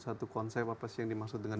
satu konsep apa sih yang dimaksud dengan